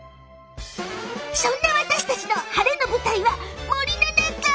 そんな私たちのハレの舞台は森の中！